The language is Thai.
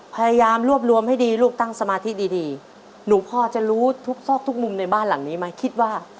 พยายามรวบรวมให้ดีลูกตั้งสมาธิดีดีหนูพอจะรู้ทุกซอกทุกมุมในบ้านหลังนี้ไหมคิดว่า